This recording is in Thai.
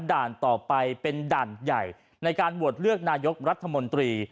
ด่านต่อไปเป็นด่านใหญ่ในการโหวตเลือกนายกรัฐมนตรี